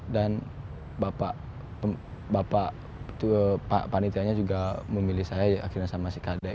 dan bapak panitianya juga memilih saya akhirnya sama si kadek